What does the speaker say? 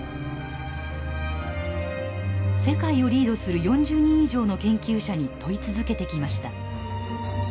世界をリードする４０人以上の研究者に問い続けてきました。